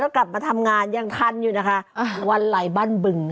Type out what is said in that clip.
กลับมาทำงานยังทันอยู่นะคะวันไหลบ้านบึง